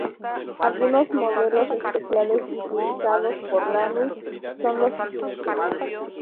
Algunos modelos especiales utilizados por Lanús son los siguientes.